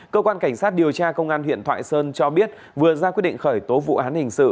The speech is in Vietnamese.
cơ quan cảnh sát điều tra công an huyện thoại sơn cho biết vừa ra quyết định khởi tố vụ án hình sự